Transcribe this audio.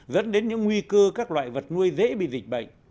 dẫn đến những nguy cơ các loại vật nuôi dễ bị dịch bệnh